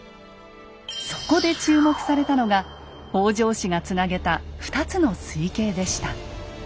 そこで注目されたのが北条氏がつなげた２つの水系でした。